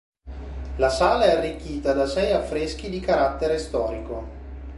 La sala è arricchita da sei affreschi di carattere storico.